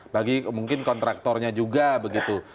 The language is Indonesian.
bagi mungkin kontraktornya juga begitu